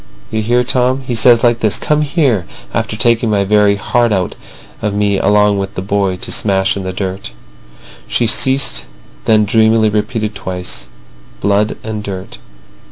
You hear, Tom? He says like this: 'Come here,' after taking my very heart out of me along with the boy to smash in the dirt." She ceased, then dreamily repeated twice: "Blood and dirt.